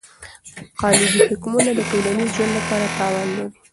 قالبي حکمونه د ټولنیز ژوند لپاره تاوان لري.